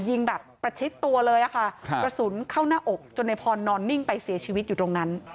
ยิงแบบประชิดตัวเลยค่ะกระสุนเข้าหน้าอกจนในพรนอนนิ่งไปเสียชีวิตอยู่ตรงนั้น